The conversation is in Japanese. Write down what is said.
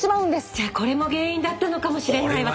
じゃこれも原因だったのかもしれない私！